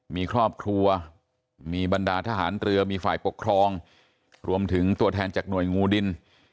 มีครอบครัวมีบรรดาทหารเรือมีฝ่ายปกครองรวมถึงตัวแทนจากหน่วยงูดิน